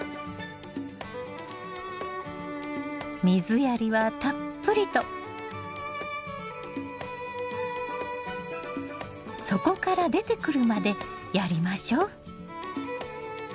水やりはたっぷりと底から出てくるまでやりましょう。